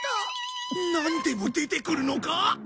なんでも出てくるのか！？